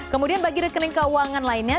kemudian bagi rekening keuangan lainnya